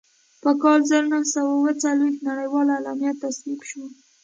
په کال زر نهه سوه اووه څلوېښت نړیواله اعلامیه تصویب شوه.